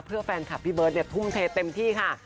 เพื่อแฟนคลับพี่เบิร์ตทุ่มเทเต็มที่ค่ะ